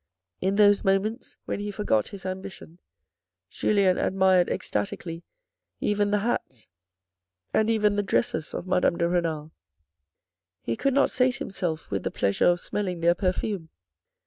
In those moments when he forgot his ambition, Julien admired ecstatically even the hats and even the dresses of Madame de Renal. He could not sate himself with the pleasure of smelling their perfume.